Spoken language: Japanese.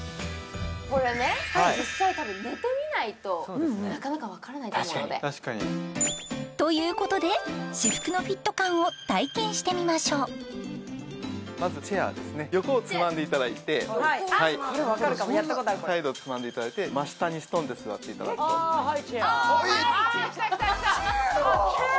これね実際寝てみないとなかなか分からないと思うので確かにということで至福のフィット感を体験してみましょう横をつまんでいただいて分かるかもやったことあるこれサイドをつまんでいただいて真下にストンで座っていただくとあーはいチェアあーきたきたきたチェアチェア